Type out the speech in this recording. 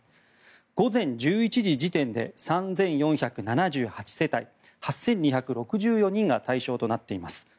午前１１時時点で３４７８世帯８２６４人が対象となっています。